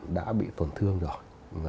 cầu thận đã bị tổn thương rồi